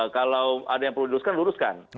kalau ada yang perlu diluruskan luruskan